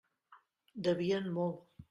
Devien molt.